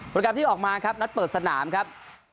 แกรมที่ออกมาครับนัดเปิดสนามครับ